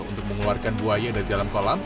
untuk mengeluarkan buaya dari dalam kolam